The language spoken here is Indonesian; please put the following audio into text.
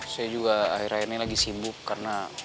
saya juga akhir akhir ini lagi sibuk karena